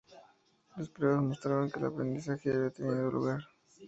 Las pruebas mostraban que el aprendizaje había tenido lugar.